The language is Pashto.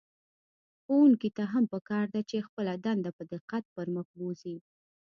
ښوونکي ته هم په کار ده چې خپله دنده په دقت پر مخ بوځي.